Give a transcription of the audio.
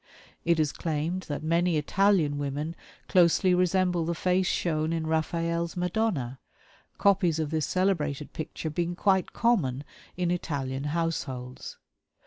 It is claimed that many Italian women closely resemble the face shown in Raphael's "Madonna," copies of this celebrated picture being quite common in Italian households.